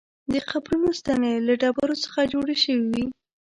د قبرونو ستنې له ډبرو څخه جوړې شوې وې.